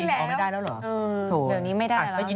อันนี้ออกไม่ได้แล้วเหรอ